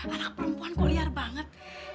anak perempuan kok liar banget